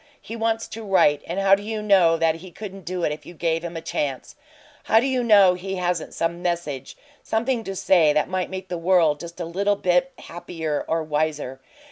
He wants to write, and how do you know that he couldn't do it if you gave him a chance? How do you know he hasn't some message something to say that might make the world just a little bit happier or wiser?